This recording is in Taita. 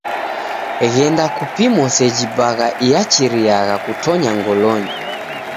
Ghenda kupimo seji bagha iachiriagha kutonya ngolonyi.